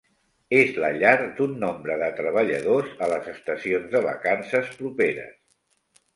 És la llar d’un nombre de treballadors a les estacions de vacances properes.